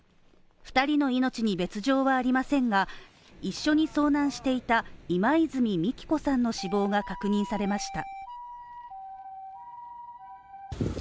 ２人の命に別状はありませんが、一緒に遭難していた今泉己希子さんの死亡が確認されました。